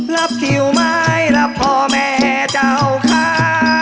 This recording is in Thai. รับเที่ยวไม้และพ่อแม่เจ้าค้า